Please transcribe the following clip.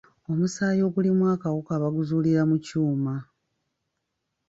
Omusaayi ogulimu akawuka baguzuulira mu kyuma.